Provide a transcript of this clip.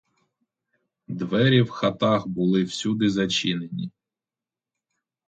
Двері в хатах були всюди зачинені.